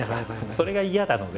それが嫌なので。